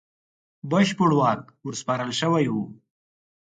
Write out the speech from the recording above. بشپړ واک ورسپارل شوی وو.